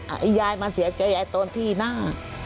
ไอ้ยายมาเสียใจตอนที่หน้า